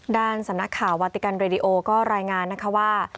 ด้านสำนักข่าววาติกันรายงานว่า